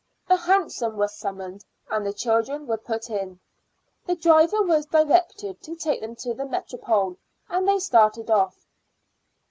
A hansom was summoned, and the children were put in. The driver was directed to take them to the Métropole, and they started off.